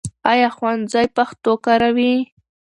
ایا ښوونځی پښتو کاروي؟